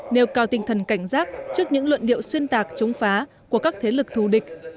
nêu cao tinh thần cảnh giác trước những luận điệu xuyên tạc chống phá của các thế lực thù địch